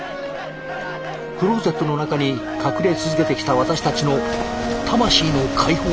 クローゼットの中に隠れ続けてきた私たちの魂の解放でした。